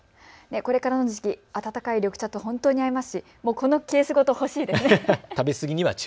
これからの時期、温かい緑茶と本当にこのケースごとほしいですね。